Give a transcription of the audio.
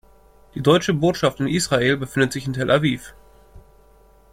Die Deutsche Botschaft in Israel befindet sich in Tel Aviv.